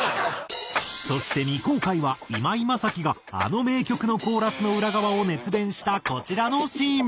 そして未公開は今井マサキがあの名曲のコーラスの裏側を熱弁したこちらのシーン。